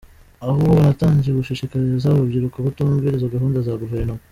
Ahubwo natangiye gushishikariza urubyiruko kutumvira izo gahunda za guverinoma.